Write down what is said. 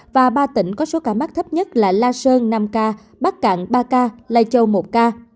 và ba tỉnh có số ca mắc thấp nhất là la sơn nam ca bắc cạn ba ca lai châu một ca